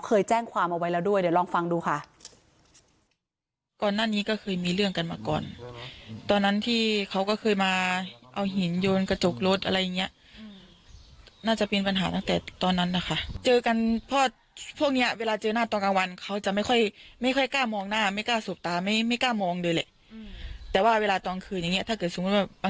เคยแจ้งความเอาไว้แล้วด้วยเดี๋ยวลองฟังดูค่ะ